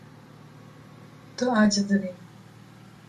Tu aciz dibî.